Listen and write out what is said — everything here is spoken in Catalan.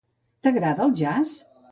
T'agrada el jazz?